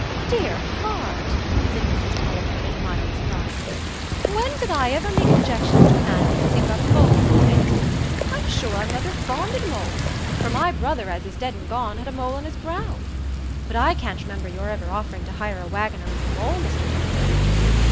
"Dear heart!" said Mrs Tulliver, in mild surprise, "when did I iver make objections to a man because he'd got a mole on his face? I'm sure I'm rether fond o' the moles; for my brother, as is dead an' gone, had a mole on his brow. But I can't remember your iver offering to hire a wagoner with a mole, Mr Tulliver.